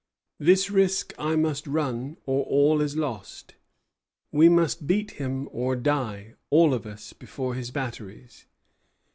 This risk I must run, or all is lost. We must beat him or die, all of us, before his batteries."